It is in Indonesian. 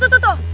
tuh tuh tuh tuh